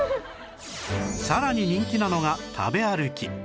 さらに人気なのが食べ歩き